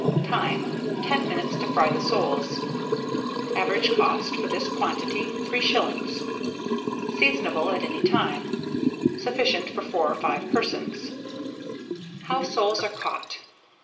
Time. 10 minutes to fry the soles. Average cost for this quantity, 3s. Seasonable at any time. Sufficient for 4 or 5 persons. HOW SOLES ARE CAUGHT.